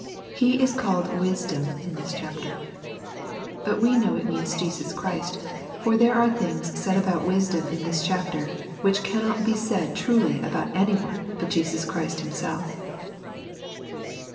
He is called " Wisdom " in this chapter. But we know it means Jesus Christ, for there are things said about Wisdcwn in this chapter which cannot be said truly about any one but Jesus Christ Himself.